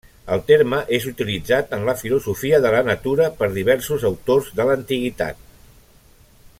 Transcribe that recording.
El terme és utilitzat en la filosofia de la natura per diversos autors de l'antiguitat.